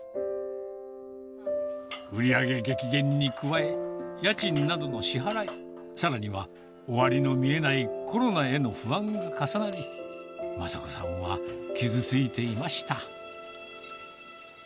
売り上げ激減に加え、家賃などの支払い、さらには終わりの見えないコロナへの不安が重なり、まさ子さんは傷ついていました。